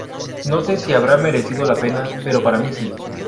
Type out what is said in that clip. No se si habrá merecido la pena, pero para mi sí.